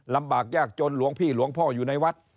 ลำบากยากจนหลวงพี่หลวงพ่ออยู่ในวัด